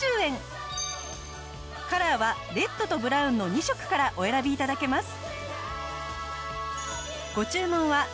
カラーはレッドとブラウンの２色からお選び頂けます。